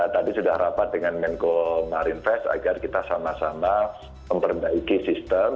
tadi sudah rapat dengan menko marinevest agar kita sama sama memperbaiki sistem